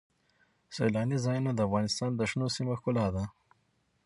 سیلاني ځایونه د افغانستان د شنو سیمو ښکلا ده.